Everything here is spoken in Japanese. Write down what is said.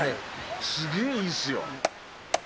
すげぇ、いいっすよ。